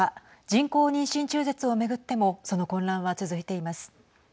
人工妊娠中絶を巡ってもその混乱は続いています。